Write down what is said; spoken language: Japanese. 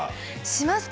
しますか！